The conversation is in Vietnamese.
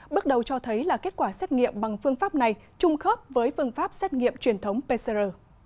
bước đầu cho thấy là kết quả xét nghiệm bằng phương pháp này trung khớp với phương pháp xét nghiệm truyền thống pcr